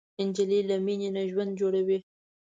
نجلۍ له مینې نه ژوند جوړوي.